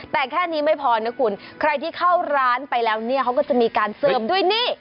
แต่แค่นี้ไม่พอนะคุณใครที่เข้าร้านไปแล้วเนี่ยเขาก็จะมีการเสิร์ฟด้วยนี่